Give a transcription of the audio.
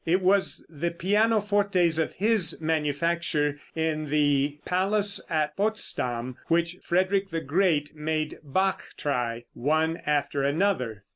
It was the pianofortes of his manufacture in the palace at Potsdam, which Frederick the Great made Bach try, one after another.